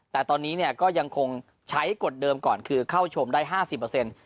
แต่ตอนนี้เนี่ยก็ยังคงใช้กฎเดิมก่อนคือเข้าชมได้ห้าสิบเปอร์เซ็นต์